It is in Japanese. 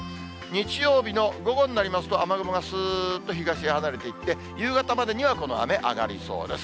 日曜日の午後になりますと、雨雲がすーっと東へ離れていって、夕方までにはこの雨、上がりそうです。